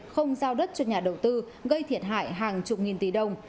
không giao đất cho nhà đầu tư gây thiệt hại hàng chục nghìn tỷ đồng